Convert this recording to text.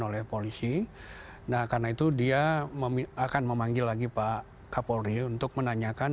oleh polisi nah karena itu dia akan memanggil lagi pak kapolri untuk menanyakan